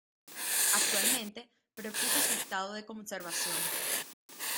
Actualmente preocupa su estado de conservación.